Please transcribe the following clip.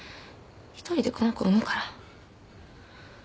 １人でこの子産むから。